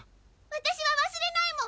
私は忘れないもん！